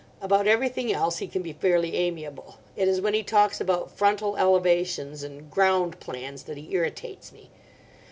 About everything else he can be fairly amiable. It is when he talks about 'frontal elevations' and 'ground plans' that he irritates me.